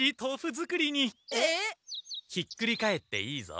ひっくり返っていいぞ。